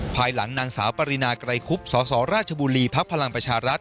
ภายหลังนางสาวปรินาไกรคุบสสราชบุรีภักดิ์พลังประชารัฐ